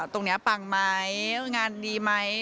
ตรงนี้ปังไหมงานดีไหม